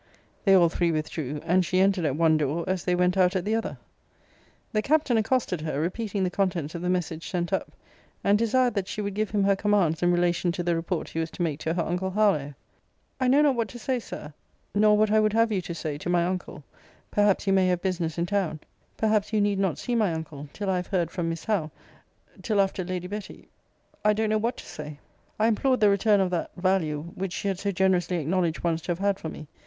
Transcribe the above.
They all three withdrew; and she entered at one door, as they went out at the other. The Captain accosted her, repeating the contents of the message sent up; and desired that she would give him her commands in relation to the report he was to make to her uncle Harlowe. I know not what to say, Sir, nor what I would have you to say, to my uncle perhaps you may have business in town perhaps you need not see my uncle till I have heard from Miss Howe; till after Lady Betty I don't know what to say. I implored the return of that value which she had so generously acknowledged once to have had for me.